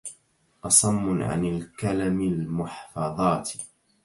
أصم عن الكلم المحفظات